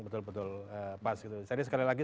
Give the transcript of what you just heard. betul betul pas gitu jadi sekali lagi